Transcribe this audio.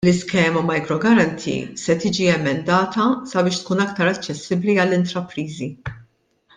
L-iskema Micro Guarantee se tiġi emendata sabiex tkun aktar aċċessibbli għall-intrapriżi.